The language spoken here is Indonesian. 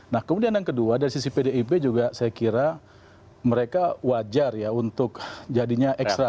nah kemudian yang kedua dari sisi pdip juga saya kira mereka wajar ya untuk jadinya ekstra